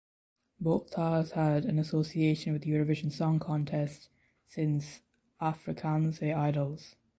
Botha has had an association with the Eurovision Song Contest since "Afrikaanse Idols".